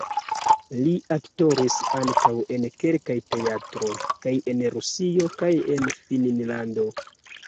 Li aktoris ankaŭ en kelkaj teatroj kaj en Rusio kaj en Finnlando.